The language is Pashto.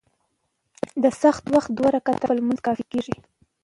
د څاښت وخت دوه رکعته نفل لمونځ کافي کيږي .